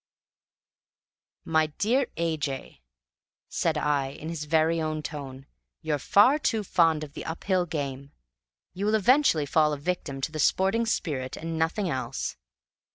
"My dear A. J.," said I in his very own tone, "you're far too fond of the uphill game; you will eventually fall a victim to the sporting spirit and nothing else.